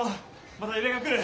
また揺れが来る！